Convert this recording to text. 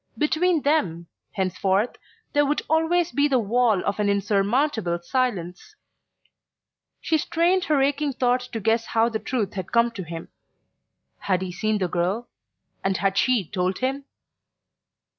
Between them, henceforth, there would always be the wall of an insurmountable silence...She strained her aching thoughts to guess how the truth had come to him. Had he seen the girl, and had she told him?